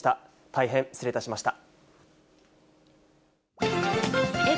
大変失礼いたしました。